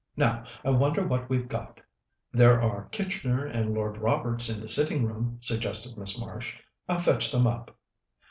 Now, I wonder what we've got." "There are Kitchener and Lord Roberts in the sitting room," suggested Miss Marsh. "I'll fetch them up."